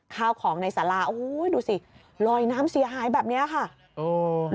ข้าวของในสาราโอ้โหดูสิลอยน้ำเสียหายแบบเนี้ยค่ะโอ้